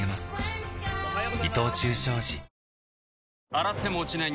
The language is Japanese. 洗っても落ちない